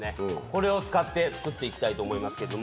これを使って作って行きたいと思いますけど。